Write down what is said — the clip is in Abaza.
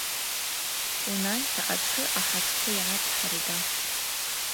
Унайта атшы ахӏатшпы йгӏацӏхӏырда.